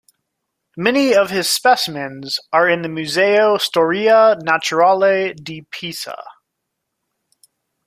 Many of his specimens are in the Museo storia naturale di Pisa.